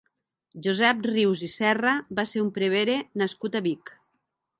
Josep Rius i Serra va ser un prevere nascut a Vic.